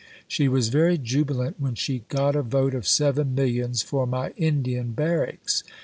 She was very jubilant when she "got a vote of seven millions for my Indian barracks."